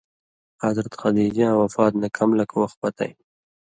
حضرت خدیجاں وفات نہ کم لک وخ پتَیں